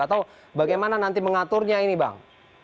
atau bagaimana nanti mengaturnya ini bang